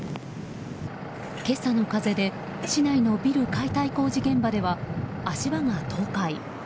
今朝の風で市内のビル解体工事現場では足場が倒壊。